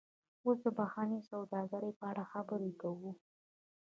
اوس د بهرنۍ سوداګرۍ په اړه خبرې کوو